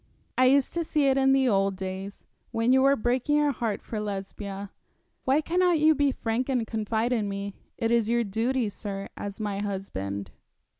I used to see it in the old days, when you were breaking your heart for Lesbia. Why cannot you be frank and confide in me. It is your duty, sir, as my husband.'